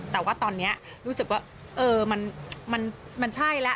แต่ว่าตอนนี้รู้สึกว่ามันใช่แล้ว